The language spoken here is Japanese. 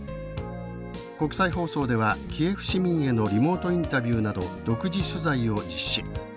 国際放送ではキエフ市民へのリモートインタビューなど独自取材を実施。